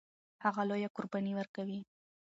هغه لویه قرباني ورکوي.